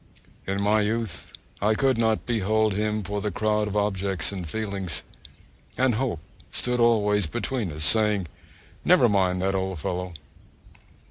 In my youth I could not behold him for the crowd of objects and feelings, and Hope stood always between us, saying, 'Never mind that old fellow!'